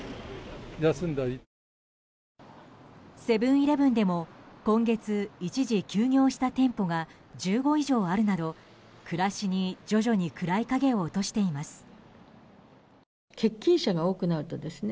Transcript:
セブン‐イレブンでも今月、一時休業した店舗が１５以上あるなど暮らしに徐々に暗い影を落としています。